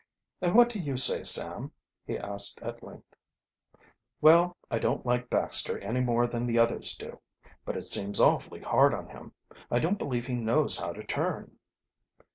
"And what do you say, Sam?" he asked at length. "Well, I don't like Baxter any more than the others do. But it seems awfully hard on him. I don't believe he knows how to turn."